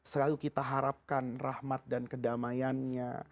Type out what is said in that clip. selalu kita harapkan rahmat dan kedamaiannya